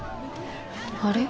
あれ？